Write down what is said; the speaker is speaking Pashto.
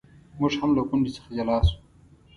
موږ هم له غونډې څخه جلا شو.